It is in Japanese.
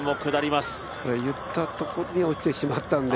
言ったところに落ちてしまったので。